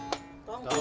ini bangga kucinya